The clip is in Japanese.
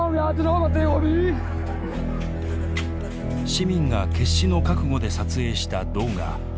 市民が決死の覚悟で撮影した動画。